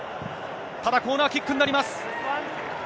ただ、コーナーキックになります。